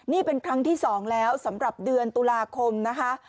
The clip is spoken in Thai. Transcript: นี่เป็นครั้งที่๒แล้วสำหรับเดือนตุลาคมนะคะ